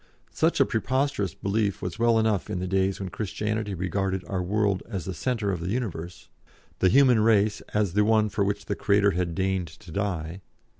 Such a preposterous belief was well enough in the days when Christianity regarded our world as the centre of the universe, the human race as the one for which the Creator had deigned to die.